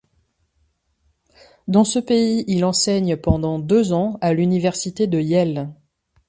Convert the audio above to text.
Dans ce pays, il enseigne pendant deux ans à l'université de Yale.